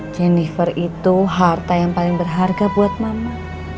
jennifer itu harta yang paling berharga buat mama